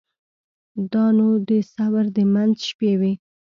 دا نو د ثور د منځ شپې وې.